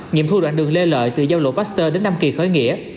nhiệm thu đoạn đường lê lợi từ giao lộ baxter đến năm kỳ khởi nghĩa